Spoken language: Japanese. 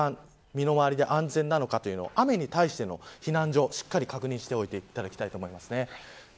どこが一番身の回りで安全なのかというのを雨に対しての避難情報をしっかり確認してほしいと思います。